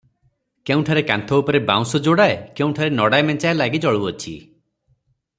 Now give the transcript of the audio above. କେଉଁଠାରେ କାନ୍ଥ ଉପରେ ବାଉଁଶ ଯୋଡ଼ାଏ, କେଉଁଠାରେ ନଡ଼ା ମେଞ୍ଚାଏ ଲାଗି ଜଳୁଅଛି ।